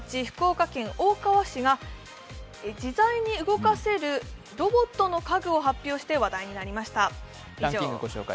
福岡県大川市で自在に動かせるロボットの家具を発表して話題になりました。